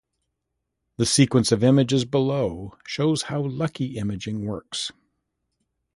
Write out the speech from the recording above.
The sequence of images below shows how lucky imaging works.